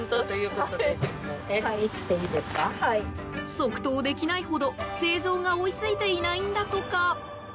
即答できないほど、製造が追いついていないんだとか。